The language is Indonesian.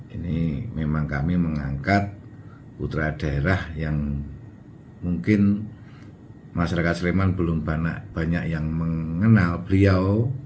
ini memang kami mengangkat putra daerah yang mungkin masyarakat sleman belum banyak yang mengenal beliau